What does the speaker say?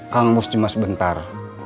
kang mus cuma sebentar